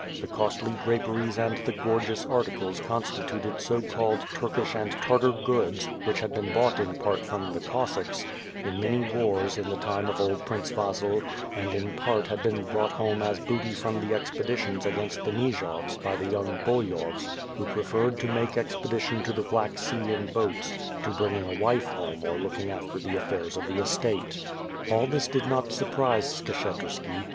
The costly draperies and the gorgeous articles constituted so called "Turkish and Tar tar goods" which had been bought in part from the Cossacks, in many wars in the time of old Prince Vasil, and in part had been brought home as booty from the expeditions against the Nijovs, by the young Bulyhovs, who preferred to make expedition to the Black Sea in boats, to bringing a wife home or looking after the affairs of the estate. All this did not surprise Skshetuski.